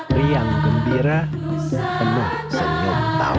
riang gembira penuh senyum tawa